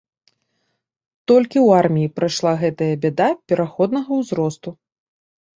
Толькі ў арміі прайшла гэтая бяда пераходнага ўзросту.